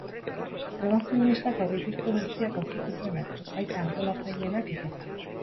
Greba feministak aurreikuspen guztiak hautsi zituen atzo, baita antolatzaileenak ere.